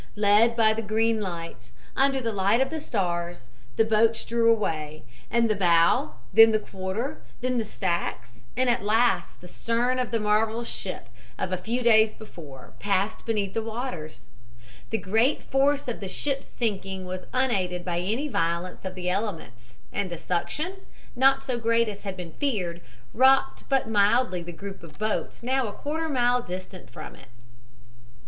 "Led by the green light, under the light of the stars, the boats drew away, and the bow, then the quarter, then the stacks and at last the stern of the marvel ship of a few days before, passed beneath the waters. The great force of the ship's sinking was unaided by any violence of the elements, and the suction, not so great as had been feared, rocked but mildly the group of boats now a quarter of a mile distant from it.